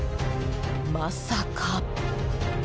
まさか。